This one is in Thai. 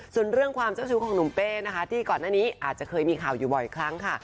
ส่วนเรื่องความเจ้าชู้ของหนุ่มเป้นะคะที่ก่อนหน้านี้อาจจะเคยมีข่าวอยู่บ่อยครั้งค่ะ